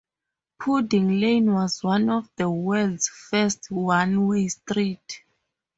Pudding Lane was one of the world's first one-way streets.